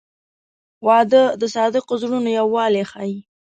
• واده د صادقو زړونو یووالی ښیي.